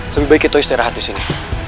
lebih baik kita istirahat disini